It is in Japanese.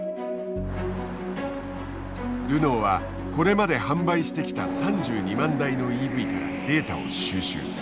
ルノーはこれまで販売してきた３２万台のＥＶからデータを収集。